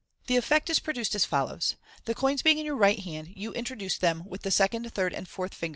This effect is produced as follows : The coins being in your right hand, you introduce them with the second, third, and fourth finger?